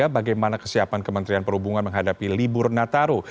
bagaimana kesiapan kementerian perhubungan menghadapi libur nataru